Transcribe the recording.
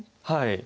はい。